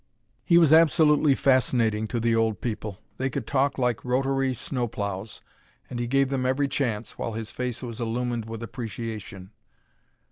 He was absolutely fascinating to the old people. They could talk like rotary snow ploughs, and he gave them every chance, while his face was illumined with appreciation.